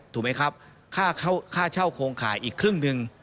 ถูกไหมครับค่าเช่าโครงข่ายอีกครึ่งหนึ่ง